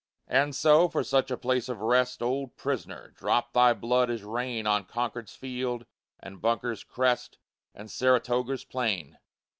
And so, for such a place of rest, Old prisoner, dropped thy blood as rain On Concord's field, and Bunker's crest, And Saratoga's plain?